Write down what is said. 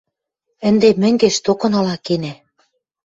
Ӹнде мӹнгеш, токынала кенӓ.